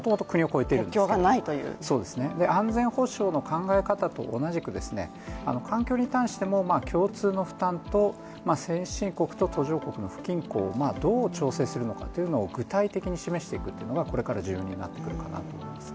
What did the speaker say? もともと国を越えているんですけども安全保障の考え方と同じく環境に対しても共通の負担と先進国と途上国の不均衡をどう調整するのかを具体的に示していくっていうのがこれから重要になってくるのかなと思います。